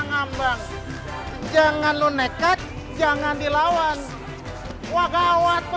sampai jumpa di video selanjutnya